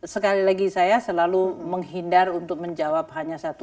sekali lagi saya selalu menghindar untuk menjawab hanya satu